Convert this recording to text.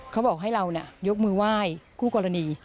เขาบอกให้เรายกมือไหว้คู่กรณี